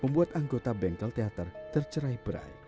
membuat anggota bengkel teater tercerai berai